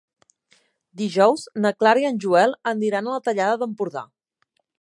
Dijous na Clara i en Joel aniran a la Tallada d'Empordà.